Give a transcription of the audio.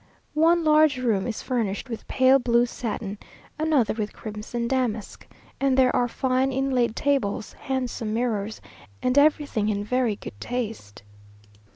One large room is furnished with pale blue satin, another with crimson damask, and there are fine inlaid tables, handsome mirrors, and everything in very good taste.